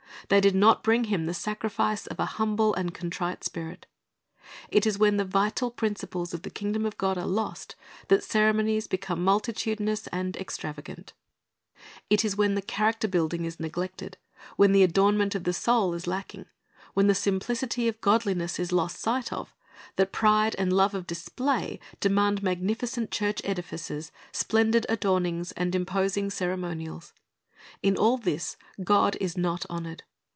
They did not bring Him the sacrifice of a humble and contrite spirit. It is when the vital principles of the kingdom of God are lost that ceremonies become multitudinous and extravatjant. It is 298 Christ's Object Lessons when the character building is neglected, when the adornment of the soul is lacking, when the simplicity of godliness is lost sight of, that pride and love of display demand magnificent church edifices, splendid adornings, and imposing ceremonials. In all this God is not honored.